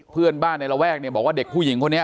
เพื่อนบ้านในระแวกเนี่ยบอกว่าเด็กผู้หญิงคนนี้